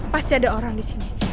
pasti ada orang disini